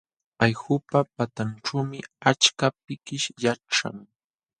Allqupa patanćhuumi achka pikish yaćhan.